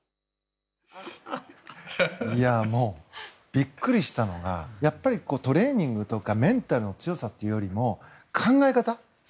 ビックリしたのがトレーニングとかメンタルの強さというよりも考え方。